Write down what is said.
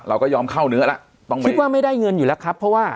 เราก็ยอมเข้าเนื้อแล้วคิดว่าไม่ได้เงินอยู่แล้วครับเพราะว่า